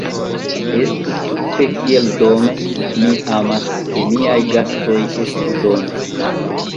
Estu tute kiel dome; mi amas, ke miaj gastoj estu dome!